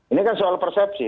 ini kan soal persepsi